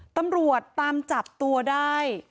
ตำรวจตามจับตัวได้